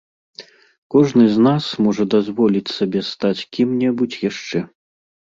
Кожны з нас можа дазволіць сабе стаць кім-небудзь яшчэ.